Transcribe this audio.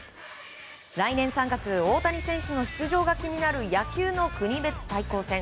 来年３月大谷選手の出場が気になる野球の国別対抗戦